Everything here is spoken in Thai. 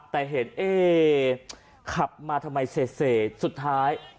แต่เห็นเอ้ยขับมาทำไมเสร็จเสร็จสุดท้าย